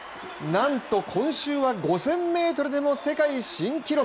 なんと今週は５０００ｍでも世界新記録。